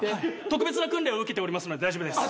特別な訓練を受けておりますので大丈夫です。